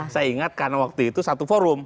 saya ingat karena waktu itu satu forum